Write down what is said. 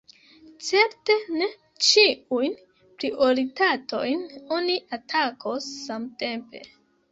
Certe ne ĉiujn prioritatojn oni atakos samtempe.